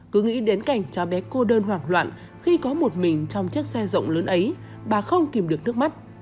cứ nghĩ đến cảnh cháu bé cô đơn hoảng loạn khi có một mình trong chiếc xe rộng lớn ấy bà không kìm được nước mắt